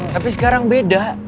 tapi sekarang beda